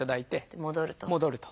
で戻ると。